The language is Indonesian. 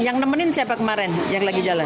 yang nemenin siapa kemarin yang lagi jalan